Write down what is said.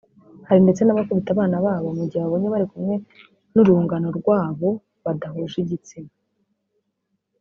Hari ndetse n’abakubita abana babo mu gihe babonye bari kumwe n’urungano rwabo badahuje igitsina